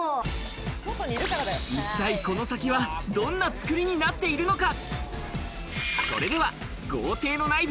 一体、この先はどんなつくりになっているのか？